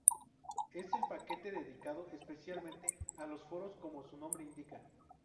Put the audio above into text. Es el paquete dedicado especialmente a los foros como su nombre indica.